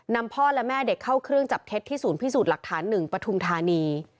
พ่อและแม่เด็กเข้าเครื่องจับเท็จที่ศูนย์พิสูจน์หลักฐาน๑ปฐุมธานี